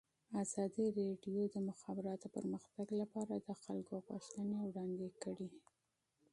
ازادي راډیو د د مخابراتو پرمختګ لپاره د خلکو غوښتنې وړاندې کړي.